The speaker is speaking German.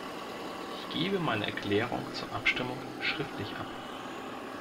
Ich gebe meine Erklärung zur Abstimmung schriftlich ab.